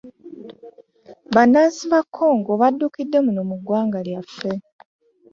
Banansi ba Congo badukide muno mu ggwanga lyaffe.